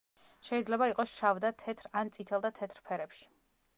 შეიძლება იყოს შავ და თეთრ ან წითელ და თეთრ ფერებში.